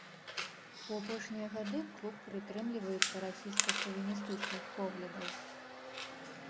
У апошнія гады клуб прытрымліваецца расійска-шавіністычных поглядаў.